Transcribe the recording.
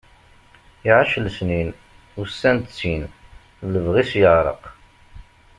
Iɛac lesnin, ussan ttin, lebɣi-s yeɛreq.